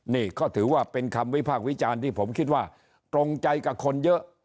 นี่ก็ถือว่าเป็นคำวิพากษ์วิจารณ์ที่ผมคิดว่าตรงใจกับคนเยอะ